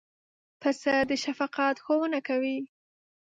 پسه د شفقت ښوونه کوي.